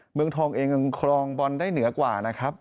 เมืองทองเองยังครองบอลได้เหนือกว่านะครับ